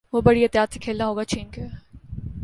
وہ بڑی احتیاط سے کھیلنا ہوگا چین کے